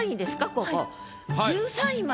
ここ。